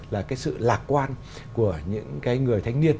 là sự lạc quan của những người thanh niên